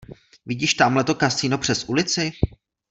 Vidíš támhleto kasino přes ulici?